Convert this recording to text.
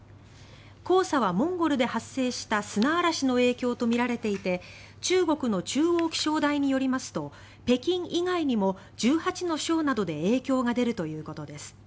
黄砂はモンゴルで発生した砂嵐の影響とみられていて中国の中央気象台によりますと北京以外にも１８の省などで影響が出るということです。